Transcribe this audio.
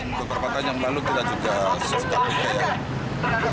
untuk perbatasan yang lalu tidak juga sesuka kekayaan